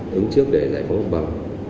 đứng trước để giải phóng bằng